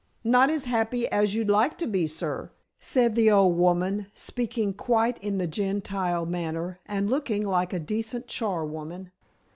"Not as happy as you'd like to be, sir," said the old woman, speaking quite in the Gentile manner, and looking like a decent charwoman.